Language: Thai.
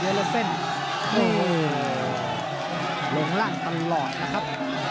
เยอร์โลเซ่นโอ้โหหลงร่างตลอดนะครับ